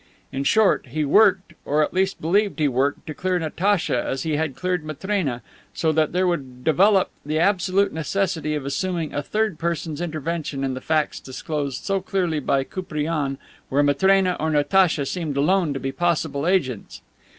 In short, he worked, or at least believed he worked, to clear Natacha as he had cleared Matrena, so that there would develop the absolute necessity of assuming a third person's intervention in the facts disclosed so clearly by Koupriane where Matrena or Natacha seemed alone to be possible agents.